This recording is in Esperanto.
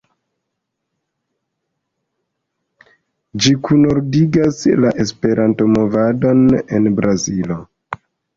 Ĝi kunordigas la Esperanto-movadon en Brazilo.